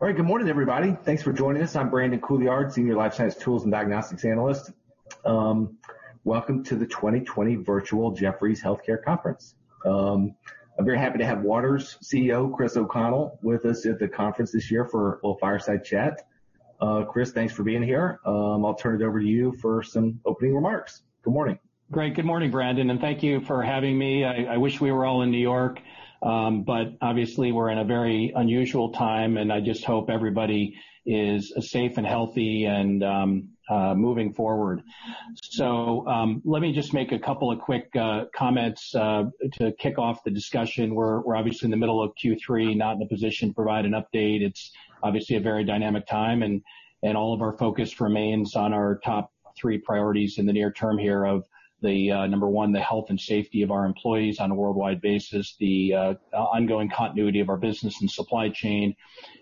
All right, good morning, everybody. Thanks for joining us. I'm Brandon Couillard, Senior Life Science Tools and Diagnostics Analyst. Welcome to the 2020 Virtual Jefferies Healthcare Conference. I'm very happy to have Waters CEO, Chris O'Connell, with us at the conference this year for a little fireside chat. Chris, thanks for being here. I'll turn it over to you for some opening remarks. Good morning. Great. Good morning, Brandon, and thank you for having me. I wish we were all in New York, but obviously we're in a very unusual time, and I just hope everybody is safe and healthy and moving forward. So let me just make a couple of quick comments to kick off the discussion. We're obviously in the middle of Q3, not in a position to provide an update. It's obviously a very dynamic time, and all of our focus remains on our top three priorities in the near term here of the number one, the health and safety of our employees on a worldwide basis, the ongoing continuity of our business and supply chain.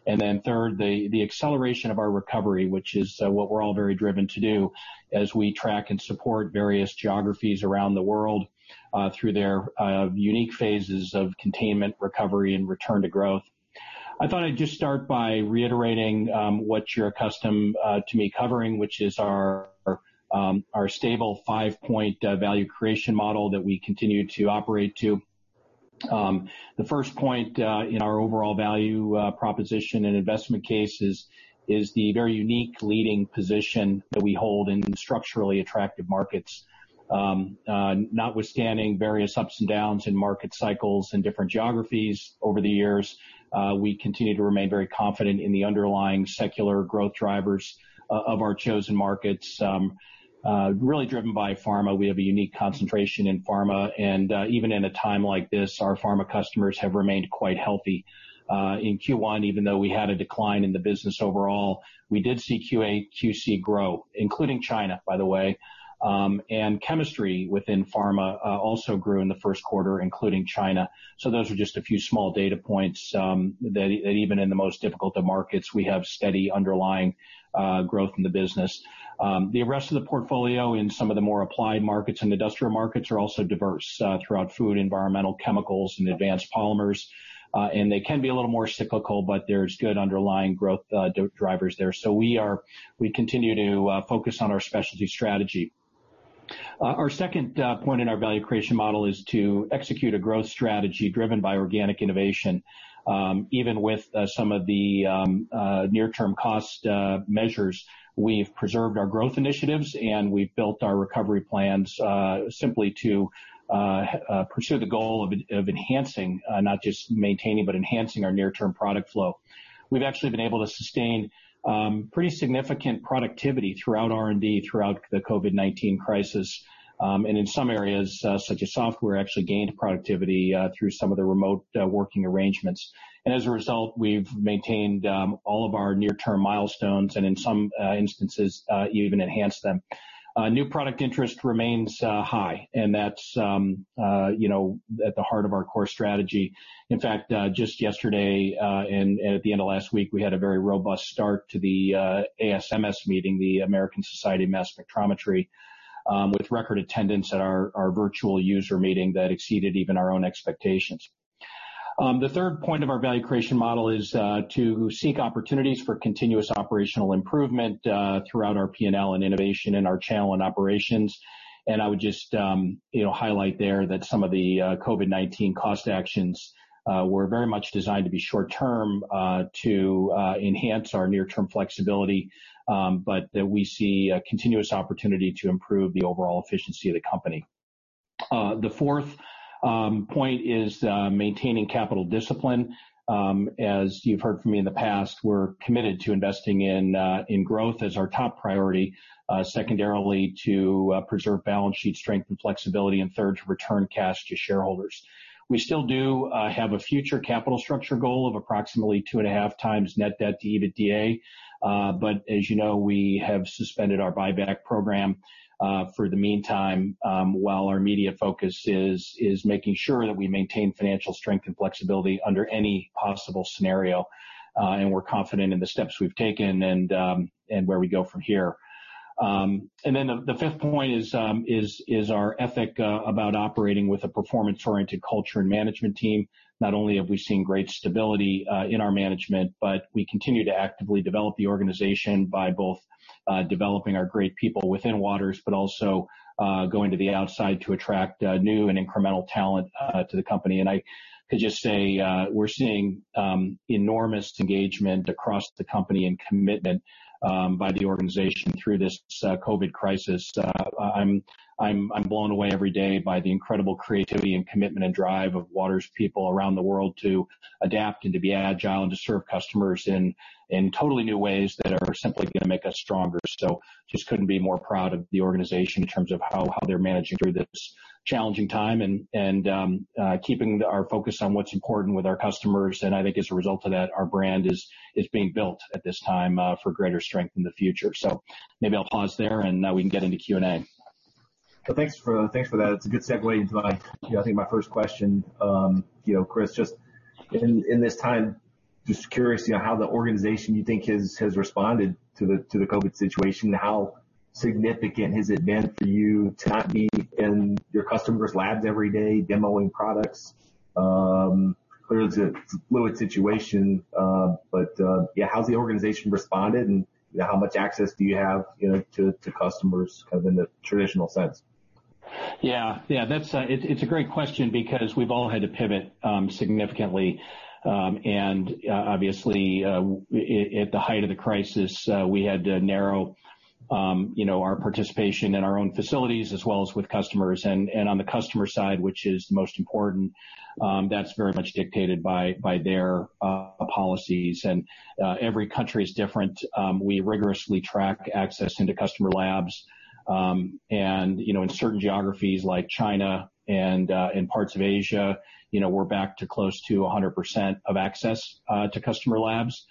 And then third, the acceleration of our recovery, which is what we're all very driven to do as we track and support various geographies around the world through their unique phases of containment, recovery, and return to growth. I thought I'd just start by reiterating what you're accustomed to me covering, which is our stable five-point value creation model that we continue to operate to. The first point in our overall value proposition and investment case is the very unique leading position that we hold in structurally attractive markets, notwithstanding various ups and downs in market cycles in different geographies over the years. We continue to remain very confident in the underlying secular growth drivers of our chosen markets, really driven by pharma. We have a unique concentration in pharma, and even in a time like this, our pharma customers have remained quite healthy. In Q1, even though we had a decline in the business overall, we did see QA/QC grow, including China, by the way, and chemistry within pharma also grew in the first quarter, including China. So those are just a few small data points that even in the most difficult of markets, we have steady underlying growth in the business. The rest of the portfolio in some of the more applied markets and industrial markets are also diverse throughout food, environmental, chemicals, and advanced polymers, and they can be a little more cyclical, but there's good underlying growth drivers there. So we are, we continue to focus on our specialty strategy. Our second point in our value creation model is to execute a growth strategy driven by organic innovation. Even with some of the near-term cost measures, we've preserved our growth initiatives and we've built our recovery plans, simply to pursue the goal of enhancing, not just maintaining, but enhancing our near-term product flow. We've actually been able to sustain pretty significant productivity throughout R&D throughout the COVID-19 crisis. In some areas, such as software, actually gained productivity through some of the remote working arrangements. As a result, we've maintained all of our near-term milestones and in some instances, even enhanced them. New product interest remains high, and that's, you know, at the heart of our core strategy. In fact, just yesterday and at the end of last week, we had a very robust start to the ASMS meeting, the American Society for Mass Spectrometry, with record attendance at our virtual user meeting that exceeded even our own expectations. The third point of our value creation model is to seek opportunities for continuous operational improvement throughout our P&L and innovation in our channel and operations. And I would just, you know, highlight there that some of the COVID-19 cost actions were very much designed to be short-term to enhance our near-term flexibility, but that we see a continuous opportunity to improve the overall efficiency of the company. The fourth point is maintaining capital discipline. As you've heard from me in the past, we're committed to investing in growth as our top priority, secondarily to preserve balance sheet strength and flexibility, and third to return cash to shareholders. We still do have a future capital structure goal of approximately two and a half times net debt to EBITDA. But as you know, we have suspended our buyback program for the meantime, while our immediate focus is making sure that we maintain financial strength and flexibility under any possible scenario, and we're confident in the steps we've taken and where we go from here. And then the fifth point is our ethic about operating with a performance-oriented culture and management team. Not only have we seen great stability in our management, but we continue to actively develop the organization by both developing our great people within Waters and going to the outside to attract new and incremental talent to the company. And I could just say, we're seeing enormous engagement across the company and commitment by the organization through this COVID crisis. I'm blown away every day by the incredible creativity and commitment and drive of Waters' people around the world to adapt and to be agile and to serve customers in totally new ways that are simply going to make us stronger. So just couldn't be more proud of the organization in terms of how they're managing through this challenging time and keeping our focus on what's important with our customers. And I think as a result of that, our brand is being built at this time for greater strength in the future. So maybe I'll pause there and now we can get into Q&A. Well, thanks for that. It's a good segue into my, you know, I think my first question, you know, Chris. Just in this time, just curious, you know, how the organization you think has responded to the COVID situation, how significant has it been for you to not be in your customer's labs every day demoing products? Clearly it's a fluid situation, but, yeah, how's the organization responded and, you know, how much access do you have, you know, to customers kind of in the traditional sense? Yeah. That's a great question because we've all had to pivot significantly. Obviously, at the height of the crisis, we had to narrow, you know, our participation in our own facilities as well as with customers. On the customer side, which is the most important, that's very much dictated by their policies. Every country is different. We rigorously track access into customer labs. You know, in certain geographies like China and in parts of Asia, you know, we're back to close to 100% of access to customer labs.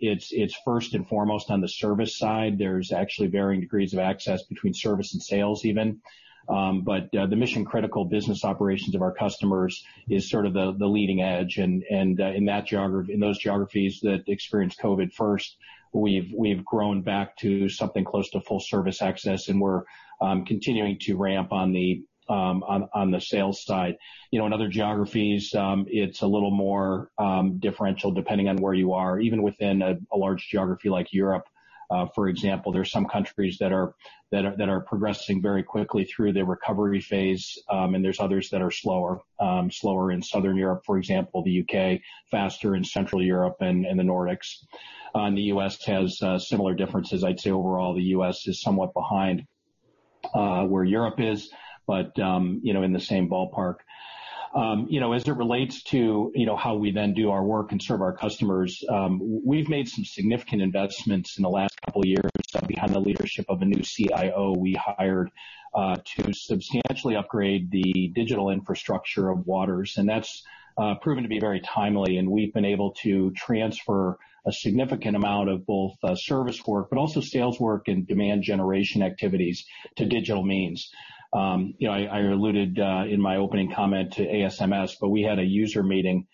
It's first and foremost on the service side. There's actually varying degrees of access between service and sales even. The mission-critical business operations of our customers is sort of the leading edge. And in those geographies that experienced COVID first, we've grown back to something close to full service access, and we're continuing to ramp on the sales side. You know, in other geographies, it's a little more differential depending on where you are. Even within a large geography like Europe, for example, there's some countries that are progressing very quickly through the recovery phase. And there's others that are slower in Southern Europe, for example, the UK, faster in Central Europe and the Nordics. And the US has similar differences. I'd say overall the US is somewhat behind where Europe is, but you know, in the same ballpark. You know, as it relates to, you know, how we then do our work and serve our customers, we've made some significant investments in the last couple of years, behind the leadership of a new CIO we hired, to substantially upgrade the digital infrastructure of Waters, and that's proven to be very timely, and we've been able to transfer a significant amount of both service work, but also sales work and demand generation activities to digital means. You know, I alluded in my opening comment to ASMS, but we had a user meeting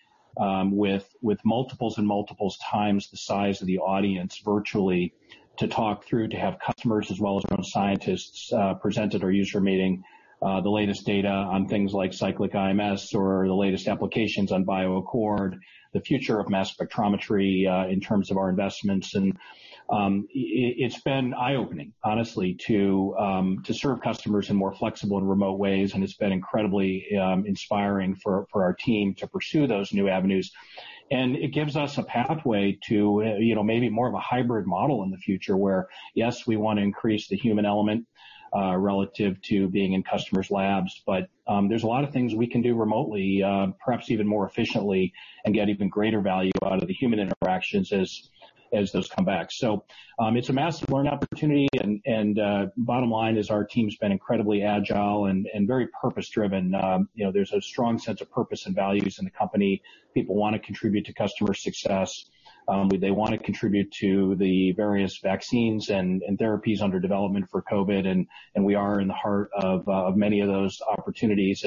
with multiples and multiples times the size of the audience virtually to talk through, to have customers as well as our own scientists present at our user meeting the latest data on things like Cyclic IMS or the latest applications on BioAccord, the future of mass spectrometry, in terms of our investments. And it's been eye-opening, honestly, to serve customers in more flexible and remote ways. And it's been incredibly inspiring for our team to pursue those new avenues. And it gives us a pathway to, you know, maybe more of a hybrid model in the future where yes, we want to increase the human element, relative to being in customers' labs, but there's a lot of things we can do remotely, perhaps even more efficiently and get even greater value out of the human interactions as those come back. So it's a massive learning opportunity. And bottom line is our team's been incredibly agile and very purpose-driven. You know, there's a strong sense of purpose and values in the company. People want to contribute to customer success. They want to contribute to the various vaccines and therapies under development for COVID. We are in the heart of many of those opportunities.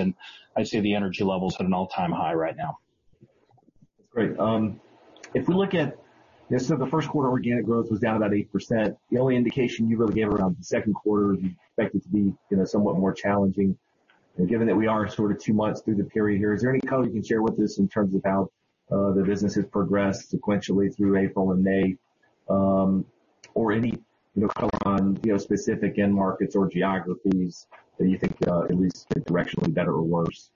I'd say the energy levels are at an all-time high right now. Great. If we look at, you know, so the first quarter organic growth was down about 8%. The only indication you really gave around the second quarter you expected to be, you know, somewhat more challenging. And given that we are sort of two months through the period here, is there any color you can share with us in terms of how the business has progressed sequentially through April and May? Or any, you know, color on, you know, specific end markets or geographies that you think, at least directionally better or worse?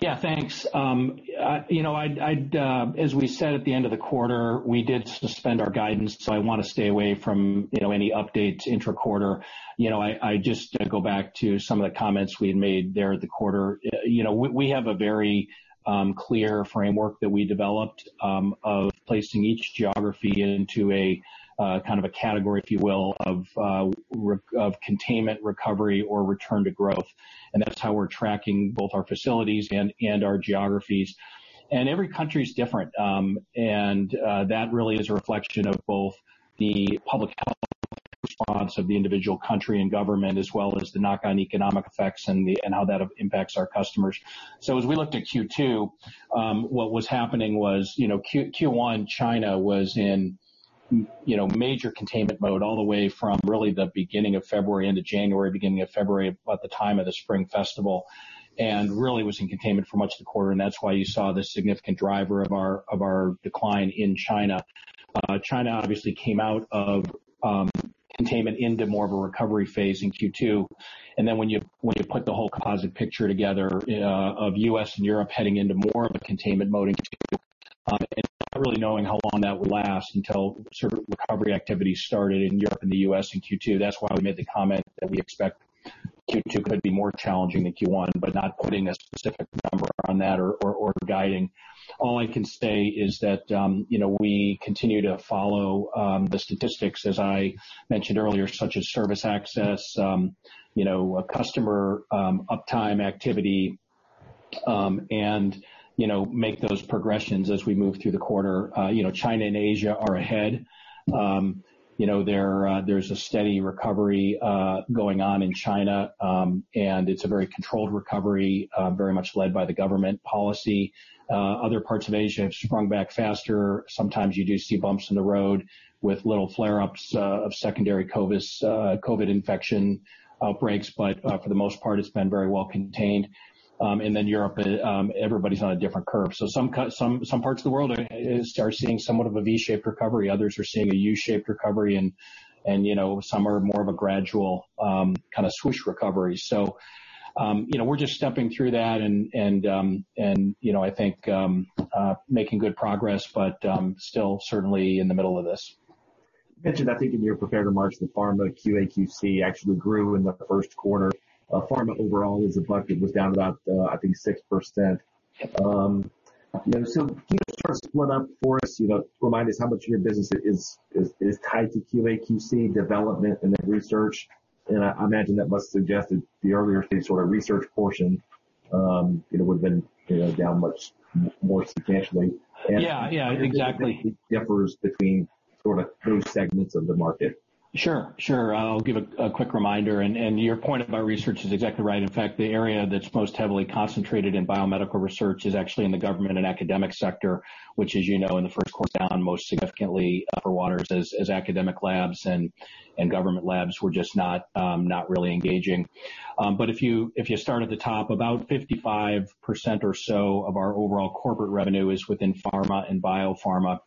Yeah. Thanks. I, you know, I'd as we said at the end of the quarter, we did suspend our guidance. So I want to stay away from, you know, any updates intra quarter. You know, I just go back to some of the comments we had made there at the quarter. You know, we have a very clear framework that we developed of placing each geography into a kind of a category, if you will, of containment, recovery, or return to growth. And that's how we're tracking both our facilities and our geographies. And every country's different. That really is a reflection of both the public health response of the individual country and government, as well as the knock-on economic effects and how that impacts our customers. So as we looked at Q2, what was happening was, you know, Q1, China was in, you know, major containment mode all the way from really the beginning of January into February at the time of the Spring Festival, and really was in containment for much of the quarter. And that's why you saw this significant driver of our decline in China. China obviously came out of containment into more of a recovery phase in Q2. Then when you put the whole composite picture together, of U.S. and Europe heading into more of a containment mode in Q2, and not really knowing how long that would last until certain recovery activities started in Europe and the U.S. in Q2, that's why we made the comment that we expect Q2 could be more challenging than Q1, but not putting a specific number on that or guiding. All I can say is that, you know, we continue to follow the statistics, as I mentioned earlier, such as service access, you know, customer uptime activity, and, you know, make those progressions as we move through the quarter. You know, China and Asia are ahead. You know, there's a steady recovery going on in China. It's a very controlled recovery, very much led by the government policy. Other parts of Asia have sprung back faster. Sometimes you do see bumps in the road with little flare-ups of secondary COVID, COVID infection outbreaks, but, for the most part, it's been very well contained. And then Europe, everybody's on a different curve. So some parts of the world are seeing somewhat of a V-shaped recovery. Others are seeing a U-shaped recovery. And you know, some are more of a gradual, kind of swoosh recovery. So, you know, we're just stepping through that and you know, I think, making good progress, but still certainly in the middle of this. You mentioned, I think in your prepared remarks, the pharma QA/QC actually grew in the first quarter. Pharma overall as a bucket was down about, I think 6%. You know, so can you just sort of split up for us, you know, remind us how much of your business is tied to QA/QC, development and then research? And I imagine that must suggest that the earlier stage sort of research portion, you know, would've been, you know, down much more substantially. Yeah. Yeah. Exactly. Differs between sort of those segments of the market. Sure. I'll give a quick reminder. And your point about research is exactly right. In fact, the area that's most heavily concentrated in biomedical research is actually in the government and academic sector, which is, you know, in the first quarter down most significantly for Waters as academic labs and government labs were just not really engaging, but if you start at the top, about 55% or so of our overall corporate revenue is within pharma and biopharma.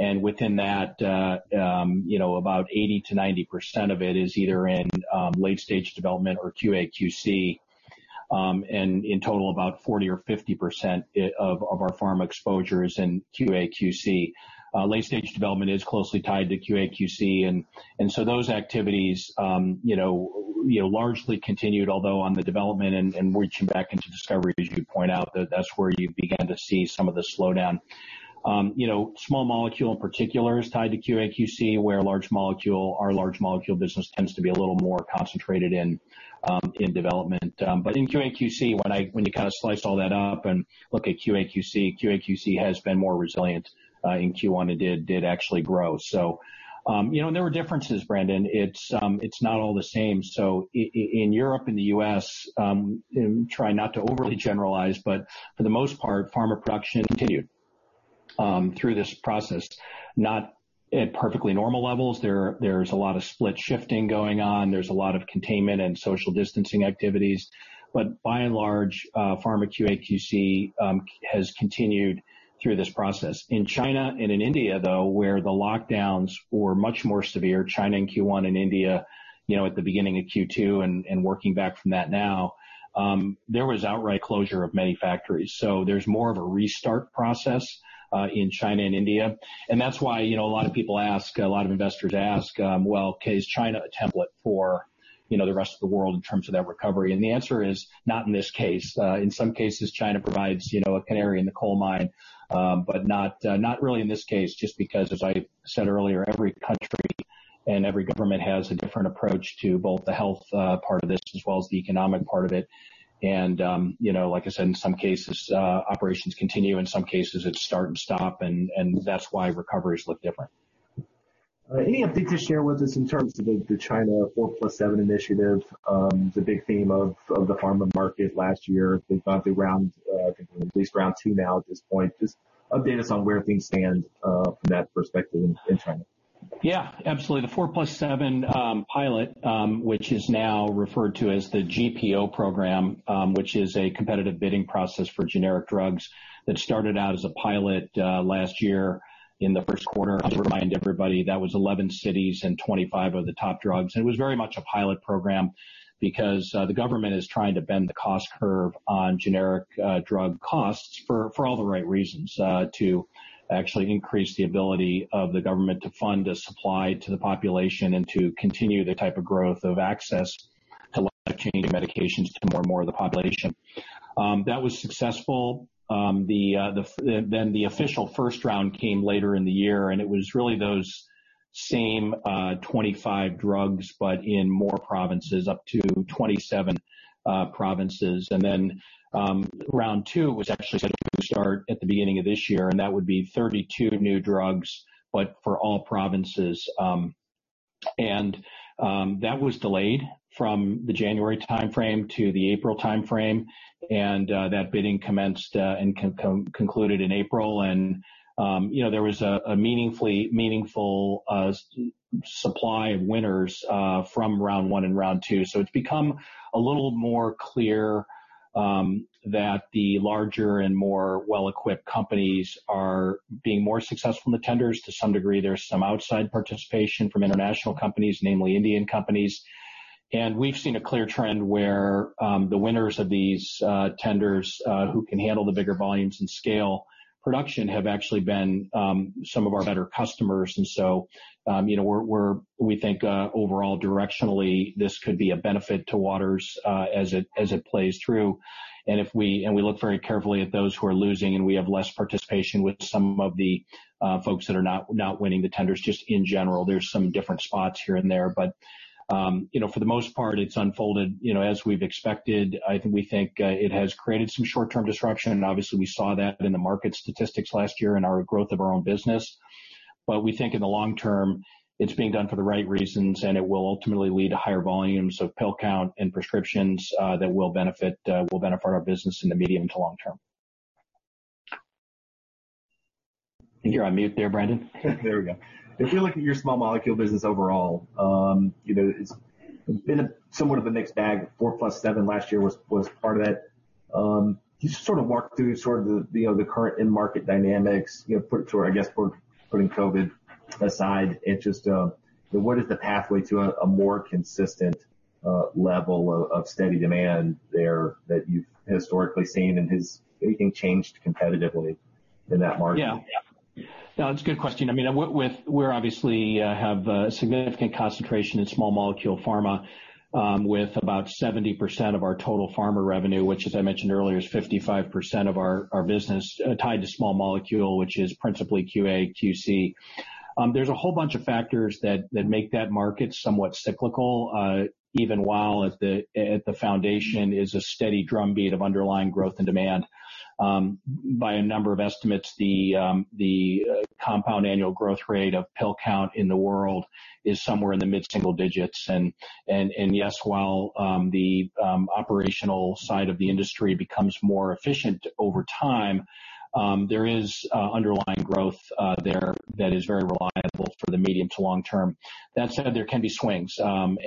And within that, you know, about 80%-90% of it is either in late-stage development or QA/QC, and in total about 40% or 50% of our pharma exposures in QA/QC. Late-stage development is closely tied to QA/QC. So those activities, you know, largely continued, although on the development and reaching back into discovery, as you point out, that's where you began to see some of the slowdown. You know, small molecule in particular is tied to QA/QC, where large molecule, our large molecule business tends to be a little more concentrated in development. But in QA/QC, when you kind of slice all that up and look at QA/QC, QA/QC has been more resilient in Q1 and did actually grow. So, you know, there were differences, Brandon. It's not all the same. So in Europe, in the U.S., try not to overly generalize, b ut for the most part, pharma production continued through this process, not at perfectly normal levels. There's a lot of split shifting going on. There's a lot of containment and social distancing activities. But by and large, pharma QA/QC has continued through this process. In China and in India, though, where the lockdowns were much more severe, China in Q1 and India, you know, at the beginning of Q2 and working back from that now, there was outright closure of many factories. So there's more of a restart process, in China and India. And that's why, you know, a lot of people ask, a lot of investors ask, well, okay, is China a template for, you know, the rest of the world in terms of that recovery? And the answer is not in this case. In some cases, China provides, you know, a canary in the coal mine, but not, not really in this case, just because, as I said earlier, every country and every government has a different approach to both the health part of this as well as the economic part of it. And, you know, like I said, in some cases, operations continue. In some cases, it's start and stop. And that's why recoveries look different. Any update to share with us in terms of the China 4+7 initiative, the big theme of the pharma market last year? They've gone through round, I think at least round two now at this point. Just update us on where things stand, from that perspective in China. Yeah. Absolutely. The 4+7 pilot, which is now referred to as the GPO program, which is a competitive bidding process for generic drugs that started out as a pilot last year in the first quarter. I'll remind everybody that was 11 cities and 25 of the top drugs. And it was very much a pilot program because the government is trying to bend the cost curve on generic drug costs for all the right reasons, to actually increase the ability of the government to fund a supply to the population and to continue the type of growth of access to life-changing medications to more and more of the population. That was successful. The official first round came later in the year, and it was really those same 25 drugs, but in more provinces, up to 27 provinces. Then, round two was actually at the beginning of this year, and that would be 32 new drugs, but for all provinces, and that was delayed from the January timeframe to the April timeframe. You know, there was a meaningful supply of winners from round one and round two. It's become a little more clear that the larger and more well-equipped companies are being more successful in the tenders. To some degree, there's some outside participation from international companies, namely Indian companies. We've seen a clear trend where the winners of these tenders, who can handle the bigger volumes and scale production, have actually been some of our better customers. You know, we think, overall directionally, this could be a benefit to Waters, as it plays through. If we look very carefully at those who are losing and we have less participation with some of the folks that are not winning the tenders, just in general, there's some different spots here and there. But, you know, for the most part, it's unfolded, you know, as we've expected. I think it has created some short-term disruption. Obviously we saw that in the market statistics last year and our growth of our own business. But we think in the long term, it's being done for the right reasons and it will ultimately lead to higher volumes of pill count and prescriptions that will benefit our business in the medium to long term. I think you're on mute there, Brandon. There we go. If you look at your small molecule business overall, you know, it's been somewhat of a mixed bag. 4+7 last year was part of that. You sort of walked through sort of the, you know, the current end market dynamics, you know, sort of, I guess, we're putting COVID aside and just, what is the pathway to a more consistent level of steady demand there that you've historically seen? And has anything changed competitively in that market? Yeah. No, that's a good question. I mean, we obviously have significant concentration in small molecule pharma, with about 70% of our total pharma revenue, which, as I mentioned earlier, is 55% of our business tied to small molecule, which is principally QA/QC. There's a whole bunch of factors that make that market somewhat cyclical, even while at the foundation is a steady drumbeat of underlying growth and demand. By a number of estimates, the compound annual growth rate of pill count in the world is somewhere in the mid-single digits. And yes, while the operational side of the industry becomes more efficient over time, there is underlying growth there that is very reliable for the medium to long term. That said, there can be swings,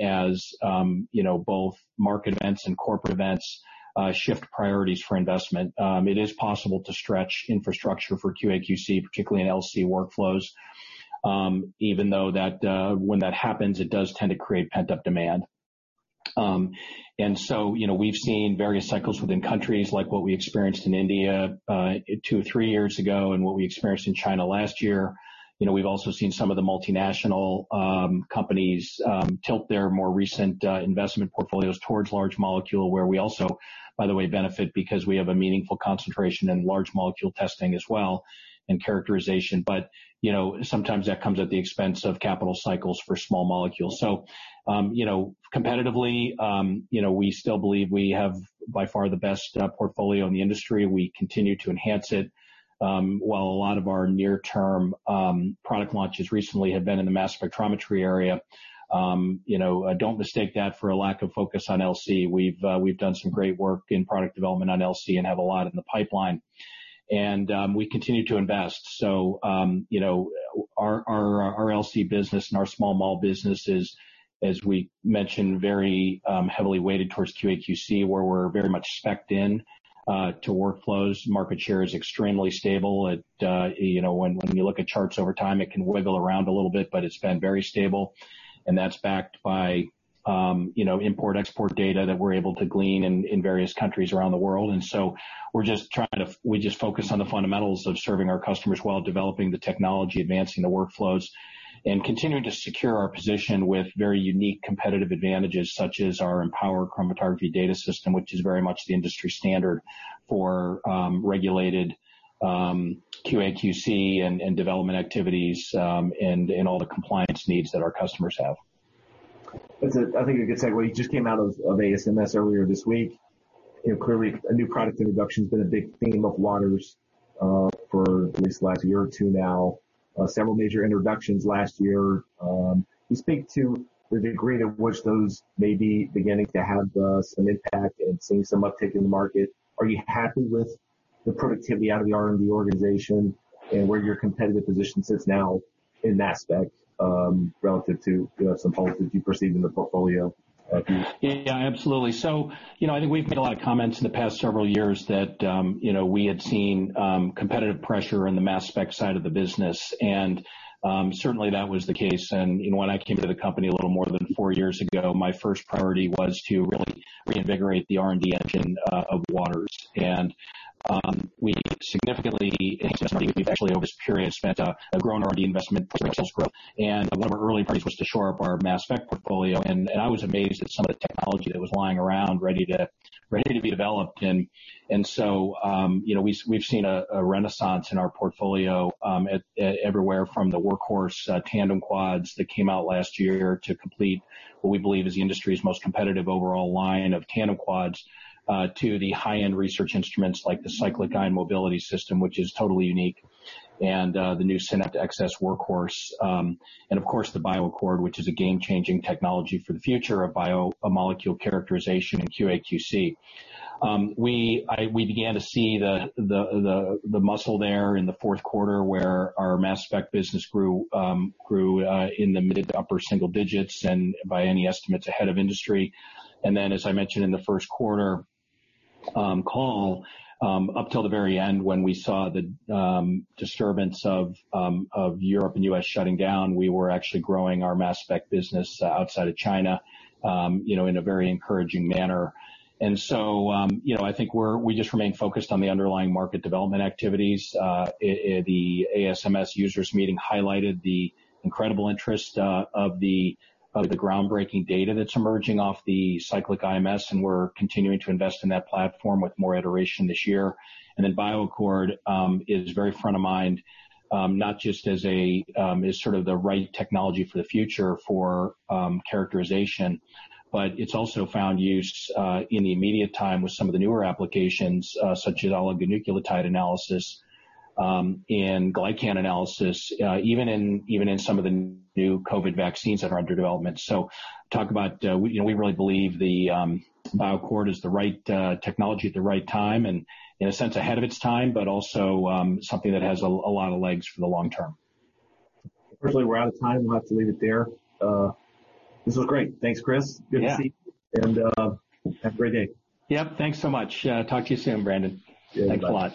as you know, both market events and corporate events shift priorities for investment. It is possible to stretch infrastructure for QA/QC, particularly in LC workflows, even though that, when that happens, it does tend to create pent-up demand. So, you know, we've seen various cycles within countries, like what we experienced in India two, three years ago, and what we experienced in China last year. You know, we've also seen some of the multinational companies tilt their more recent investment portfolios towards large molecule, where we also, by the way, benefit because we have a meaningful concentration in large molecule testing as well and characterization. But you know, sometimes that comes at the expense of capital cycles for small molecules. So, you know, competitively, you know, we still believe we have by far the best portfolio in the industry. We continue to enhance it, while a lot of our near-term product launches recently have been in the mass spectrometry area. You know, don't mistake that for a lack of focus on LC. We've done some great work in product development on LC and have a lot in the pipeline, and we continue to invest, so you know, our LC business and our small molecule business is, as we mentioned, very heavily weighted towards QA/QC, where we're very much specced in to workflows. Market share is extremely stable. It you know, when you look at charts over time, it can wiggle around a little bit, but it's been very stable, and that's backed by you know, import-export data that we're able to glean in various countries around the world. And so we're just trying to, we just focus on the fundamentals of serving our customers while developing the technology, advancing the workflows, and continuing to secure our position with very unique competitive advantages, such as our Empower Chromatography data system, which is very much the industry standard for regulated QA/QC and development activities, and all the compliance needs that our customers have. That's a, I think a good segue. You just came out of, of ASMS earlier this week. You know, clearly a new product introduction has been a big theme of Waters, for at least the last year or two now. Several major introductions last year. You speak to the degree to which those may be beginning to have, some impact and seeing some uptake in the market. Are you happy with the productivity out of the R&D organization and where your competitive position sits now in mass spec, relative to, you know, some holes that you perceive in the portfolio? Yeah. Absolutely. So, you know, I think we've made a lot of comments in the past several years that, you know, we had seen competitive pressure in the mass spec side of the business. And, certainly that was the case. And, you know, when I came to the company a little more than four years ago, my first priority was to really reinvigorate the R&D engine of Waters. And, we've significantly grown our R&D investment over this period. And one of our early priorities was to shore up our mass spec portfolio. And, I was amazed at some of the technology that was lying around, ready to be developed. And so, you know, we've seen a renaissance in our portfolio everywhere from the workhorse tandem quads that came out last year to complete what we believe is the industry's most competitive overall line of tandem quads, to the high-end research instruments like the Cyclic IMS, which is totally unique, and the new SYNAPT XS workhorse. And of course the BioAccord, which is a game-changing technology for the future of biomolecule characterization and QA/QC. We began to see the muscle there in the fourth quarter where our mass spec business grew in the mid- to upper-single digits and by any estimates ahead of industry. And then, as I mentioned in the first quarter call, up till the very end when we saw the disturbance of Europe and U.S. shutting down, we were actually growing our mass spec business outside of China, you know, in a very encouraging manner, and so, you know, I think we just remain focused on the underlying market development activities. The ASMS users meeting highlighted the incredible interest of the groundbreaking data that's emerging off the Cyclic IMS, and we're continuing to invest in that platform with more iteration this year. And then BioAccord is very front of mind, not just as a, as sort of the right technology for the future for characterization, but it's also found use in the immediate time with some of the newer applications, such as oligonucleotide analysis and glycan analysis, even in some of the new COVID vaccines that are under development. So, you know, we really believe the BioAccord is the right technology at the right time and in a sense ahead of its time, but also something that has a lot of legs for the long term. Certainly we're out of time. We'll have to leave it there. This was great. Thanks, Chris. Good to see you, and have a great day. Yep. Thanks so much. Talk to you soon, Brandon. Thanks a lot.